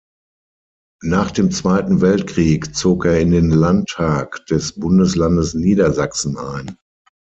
Nach dem Zweiten Weltkrieg zog er in den Landtag des Bundeslandes Niedersachsen ein.